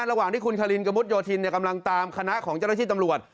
ระหว่างที่คุณคารินกระมุดโยธินกำลังตามคณะของเจ้าหน้าที่ตำรวจ